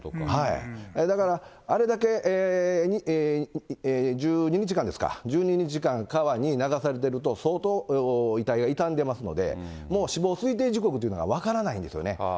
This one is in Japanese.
だからあれだけ、１２日間ですか、１２日間川に流されてると、相当遺体が傷んでますので、もう死亡推定時刻というのが分からないんですよね。